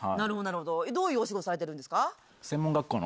どういうお仕事されてるんですか？